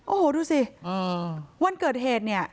โอ้โหดูสิวันเกิดเหตุเนี่ย